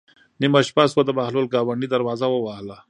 نیمه شپه شوه د بهلول ګاونډي دروازه ووهله.